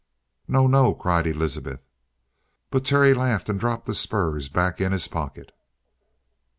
"No, no!" cried Elizabeth. But Terry laughed and dropped the spurs back in his pocket.